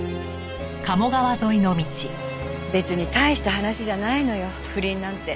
別に大した話じゃないのよ不倫なんて。